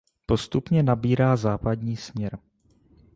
Postupně nabírá západní směr.